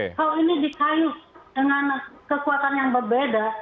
kalau ini dikayu dengan kekuatan yang berbeda